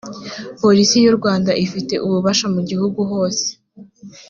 polisi y u rwanda ifite ububasha mu gihugu hose